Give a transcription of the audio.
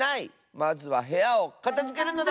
まずはへやをかたづけるのだ！